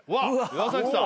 岩崎さん。